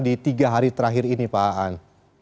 di tiga hari terakhir ini pak an